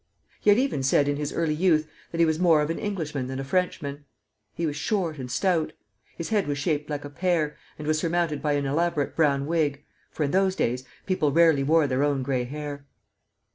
He had even said in his early youth that he was more of an Englishman than a Frenchman. He was short and stout. His head was shaped like a pear, and was surmounted by an elaborate brown wig; for in those days people rarely wore their own gray hair.